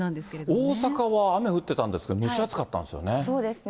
大阪は雨降ってたんですけれども、蒸し暑かったんですよね。